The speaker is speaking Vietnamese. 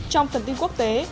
trong thần tin quốc tế